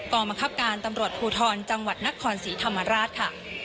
กบภรุษธรรมจังหวัดนครสี่ธรรมราช